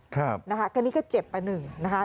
ครับนะคะก็นี่ก็เจ็บไปหนึ่งนะคะ